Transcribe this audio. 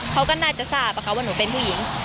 เขาก็น่าจะทราบว่าหนูเป็นผู้หญิง